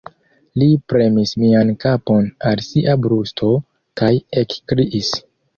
Li premis mian kapon al sia brusto kaj ekkriis: